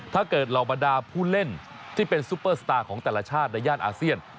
ถ้าเกิดเรามาดาพูดเล่นที่เป็นซุปเปอร์สตาร์ของแต่ละชาติในใย่านอาเซียน